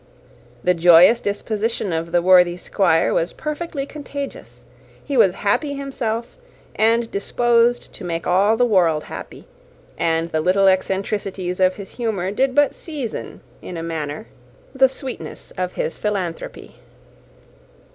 The joyous disposition of the worthy Squire was perfectly contagious; he was happy himself, and disposed to make all the world happy; and the little eccentricities of his humour did but season, in a manner, the sweetness of his philanthropy.